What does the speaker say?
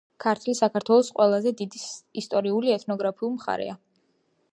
ქართლი - საქართველოს ყველაზე დიდი ისტორიულ-ეთნოგრაფიული მხარე.